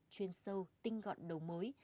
chuyên sâu tinh gọn đầu mối